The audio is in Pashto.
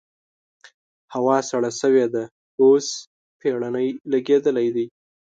هوا سړه شوې ده؛ اوس پېړنی لګېدلی دی.